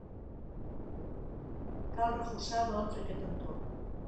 Cal reforçar, doncs, aquest entorn.